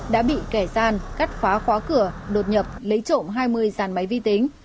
đã bị kẻ gian cắt khóa khóa cửa đột nhập lấy trộm hai mươi dàn máy vi tính